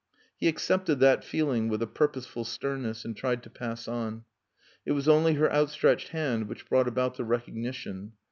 He accepted that feeling with a purposeful sternness, and tried to pass on. It was only her outstretched hand which brought about the recognition.